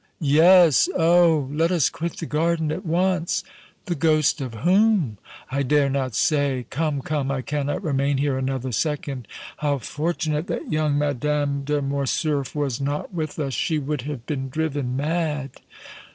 "Yes! Oh! let us quit the garden at once!" "The ghost of whom?" "I dare not say! Come, come, I cannot remain here another second! How fortunate that young Madame de Morcerf was not with us! She would have been driven mad!"